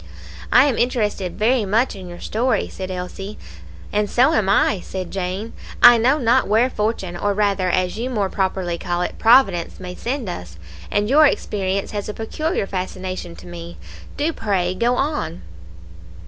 "I am interested very much in your story," said Elsie. "And so am I," said Jane. "I know not where fortune, or rather, as you more properly call it, Providence may send us; and your experience has a peculiar fascination to me. Do, pray, go on."